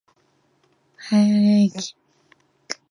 札苅駅